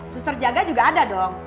suster jaga juga ada dong